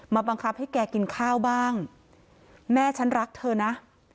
บังคับให้แกกินข้าวบ้างแม่ฉันรักเธอนะ